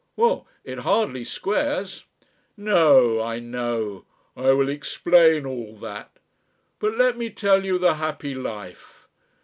"Well, it hardly squares " "No. I know. I will explain all that. But let me tell you the happy life.